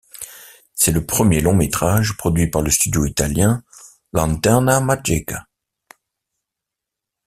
C'est le premier long métrage produit par le studio italien Lanterna Magica.